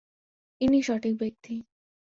ইনিই সঠিক ব্যক্তি।